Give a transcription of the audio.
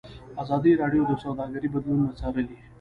ازادي راډیو د سوداګري بدلونونه څارلي.